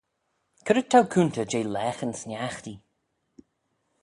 C'red t'ou coontey jeh laghyn sniaghtee?